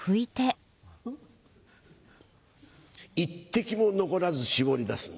１滴も残らず絞り出すんだ。